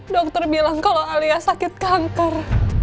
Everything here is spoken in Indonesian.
dokter bilang kalau alia sakit kanker